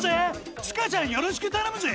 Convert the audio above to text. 塚ちゃんよろしく頼むぜ！